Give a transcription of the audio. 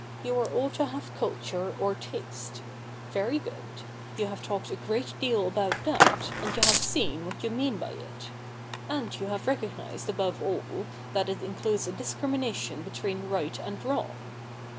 You are all to have culture, or taste. Very good, you have talked a great deal about that, and you have seen what you mean by it ; and you have recognised, above all, that it includes a discrimination between right and wrong.